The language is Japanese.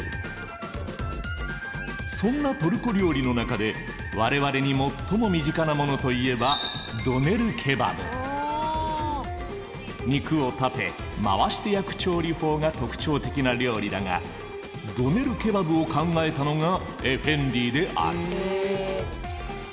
そんなトルコ料理の中で我々に最も身近なものといえば肉を立て回して焼く調理法が特徴的な料理だがドネルケバブを考えたのがエフェンディである。